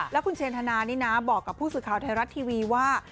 แล้วคุณเชนธนานี่นะบอกกับผู้สื่อข่าวไทยรัฐทีวีว่า